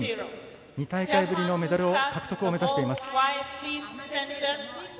２大会ぶりのメダル獲得を目指しています。